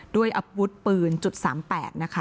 ด้วยอบวุทธ์ปืนจุด๓๘นะคะ